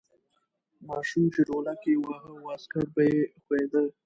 ماشوم چې ډولک یې واهه واسکټ به یې ښویده.